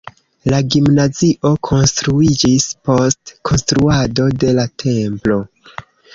La gimnazio konstruiĝis post konstruado de la templo.